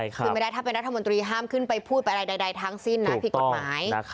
คือไม่ได้ถ้าเป็นรัฐมนตรีห้ามขึ้นไปพูดไปอะไรใดทั้งสิ้นนะผิดกฎหมาย